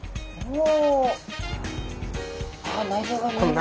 お！